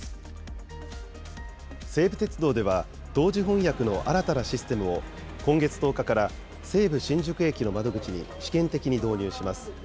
西武鉄道では、同時翻訳の新たなシステムを、今月１０日から西武新宿駅の窓口に試験的に導入します。